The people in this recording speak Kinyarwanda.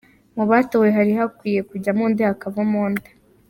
Mu batowe, hari hakwiye kujyamo nde hakavamo nde?.